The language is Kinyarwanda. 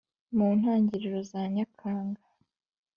mu ntangiriro za nyakanga